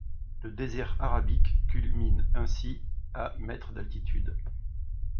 Le désert Arabique culmine ainsi à mètres d'altitude.